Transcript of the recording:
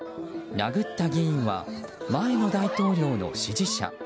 殴った議員は前の大統領の支持者。